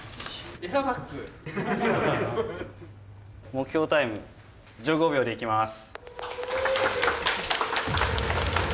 目標タイム１５秒でいきます。